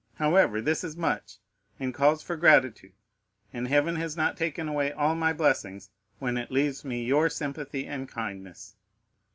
However, this is much, and calls for gratitude and Heaven has not taken away all my blessings when it leaves me your sympathy and kindness."